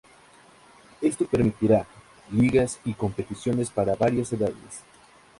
Esto permitirá ligas y competiciones para varias edades.